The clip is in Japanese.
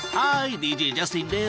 ＤＪジャスティンです。